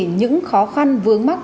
những khó khăn vướng mắt